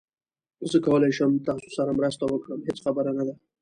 زه کولای شم تاسو سره مرسته وکړم، هیڅ خبره نه ده